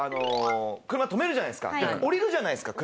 車止めるじゃないですか。